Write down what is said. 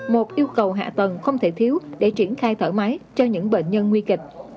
một yêu cầu hạ tầng không thể thiếu để triển khai thở máy cho những bệnh nhân nguy kịch